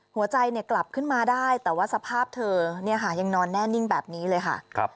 หัวใจกลับขึ้นมาได้แต่ว่าสภาพเธอเนี่ยค่ะยังนอนแน่นิ่งแบบนี้เลยค่ะ